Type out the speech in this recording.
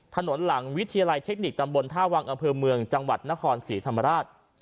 หลังวิทยาลัยเทคนิคตำบลท่าวังอำเภอเมืองจังหวัดนครศรีธรรมราช